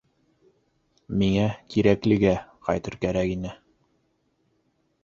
Миңә Тирәклегә... ҡайтыр кәрәк ине...